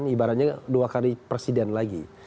ibaratnya dua kali presiden lagi